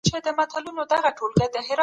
نعمان